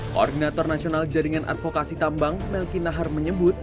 koordinator nasional jaringan advokasi tambang melki nahar menyebut